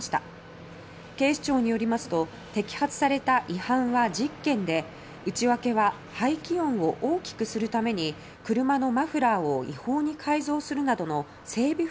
警視庁によりますと摘発された違反は１０件で内訳は排気音を大きくするために車のマフラーを違法に改造するなどの整備